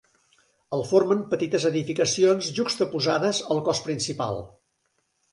El formen petites edificacions juxtaposades al cos principal.